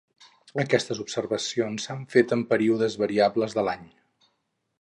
Aquestes observacions s'han fet en períodes variables de l'any.